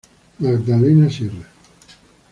Magdalena Sierra.